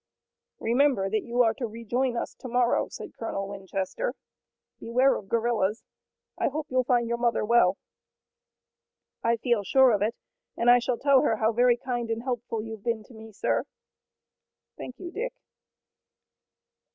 "Remember that you're to rejoin us to morrow," said Colonel Winchester. "Beware of guerillas. I hope you'll find your mother well." "I feel sure of it, and I shall tell her how very kind and helpful you've been to me, sir." "Thank you, Dick."